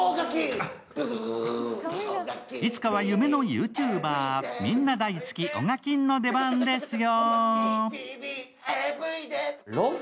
いつかは夢のＹｏｕＴｕｂｅｒ、みんな大好きオガキンの登場ですよ。